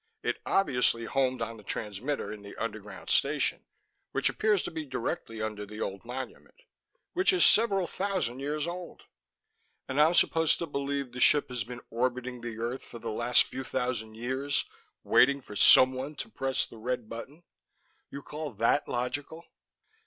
It obviously homed on the transmitter in the underground station, which appears to be directly under the old monument which is several thousand years old " "And I'm supposed to believe the ship has been orbiting the earth for the last few thousand years, waiting for someone to push the red button? You call that logical?"